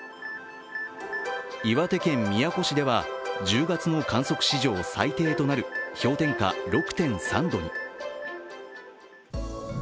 岩手県宮古市では１０月の観測史上最低となる氷点下６．３度に。